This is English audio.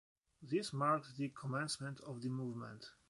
This marked the commencement of the movement.